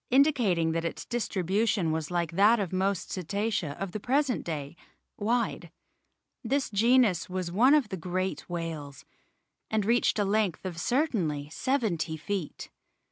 indicating that its distribution was like that of most Cetacea of the present day, wide. This genus was one of the great whales, and reached a length of certainly seventy feet.